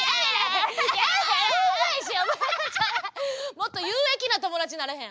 もっと有益な友だちなれへん？